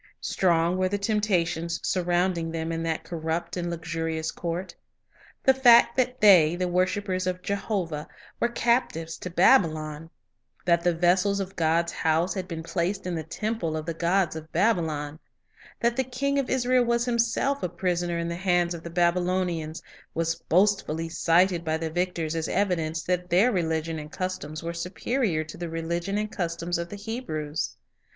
Strong were the temptations surrounding them in that corrupt and luxurious court. The fact that they, the worshipers of Jehovah, were captives to Babylon; that the vessels of God's house had been placed in the temple of the gods of Babylon; that the king of Israel was himself a prisoner in the hands of the Babylonians, was boastfully cited by the victors as evidence that their religion and customs were superior to the religion and customs of the Hebrews.